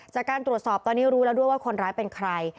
จากการตรวจสอบตอนนี้รู้แล้วด้วยว่าคนร้ายเป็นใคร